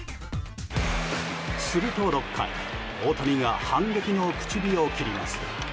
すると６回大谷が反撃の口火を切ります。